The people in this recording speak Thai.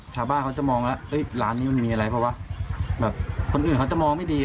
ชาวบ้านเขาจะมองแล้วร้านนี้มันมีอะไรเพราะว่าแบบคนอื่นเขาจะมองไม่ดี